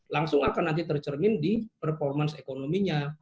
langsung akan nanti tercermin di performance ekonominya